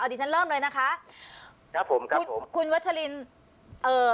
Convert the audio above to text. ดิฉันเริ่มเลยนะคะครับผมครับผมคุณวัชลินเอ่อ